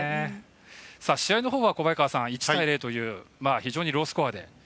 試合のほうは１対０という非常にロースコアで。